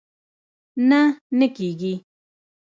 نه، نه کېږي